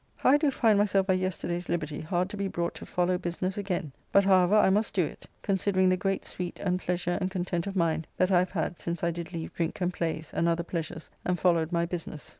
how I do find myself by yesterday's liberty hard to be brought to follow business again, but however, I must do it, considering the great sweet and pleasure and content of mind that I have had since I did leave drink and plays, and other pleasures, and followed my business.